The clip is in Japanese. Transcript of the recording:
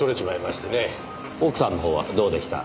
奥さんのほうはどうでした？